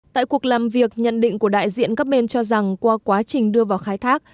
tại cuộc làm việc nhận định của đại diện các bên cho rằng qua quá trình đưa vào khai thác